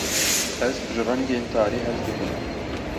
Ez ji rengên tarî hez dikim.